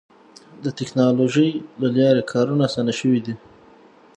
د ټکنالوجۍ له لارې کارونه اسانه شوي دي.